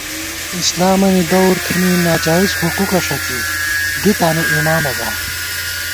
اسلامَنی دورتھنی ناجائزحقوقہ ݭڅی دی تانُواِمامہ گا